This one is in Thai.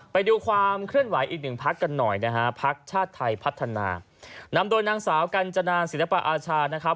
ไปดูความเคลื่อนไหวอีกหนึ่งพักกันหน่อยนะฮะพักชาติไทยพัฒนานำโดยนางสาวกัญจนาศิลปะอาชานะครับ